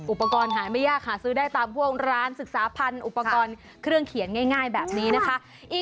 อุปกรณ์หาไม่ยากหาซื้อได้ตามพวกร้านศึกษาพันธุ์อุปกรณ์เครื่องเขียนง่ายแบบนี้นะคะ